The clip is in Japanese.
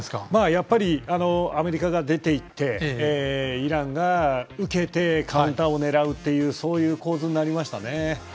やっぱりアメリカが出ていって、イランが受けてカウンターを狙うというそういう構図になりましたね。